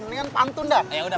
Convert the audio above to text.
mendingan pantun dah